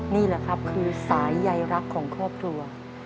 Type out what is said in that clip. นี่แหละครับคือสายใยรักของครอบครัว